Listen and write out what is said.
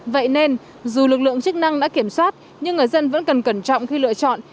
vậy nên dù lực lượng chức năng đã kiểm soát nhưng người dân vẫn cần cẩn trọng khi lựa chọn